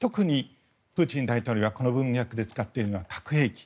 プーチン大統領がこの文脈で使っているのは核兵器。